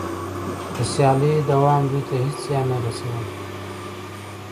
د سیالۍ دوام دوی ته هېڅ زیان نه رسولو